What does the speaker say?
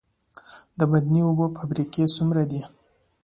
د معدني اوبو فابریکې څومره دي؟